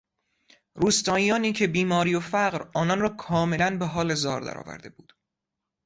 روستاییانی که بیماری و فقر آنان را کاملا به حال زار در آورده بود